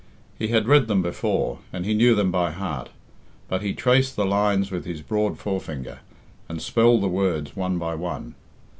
He had read them before, and he knew them by heart, but he traced the lines with his broad forefinger, and spelled the words one by one.